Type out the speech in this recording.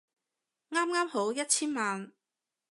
啱啱好一千萬